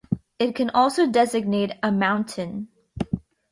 It can also designate a 'mountain'.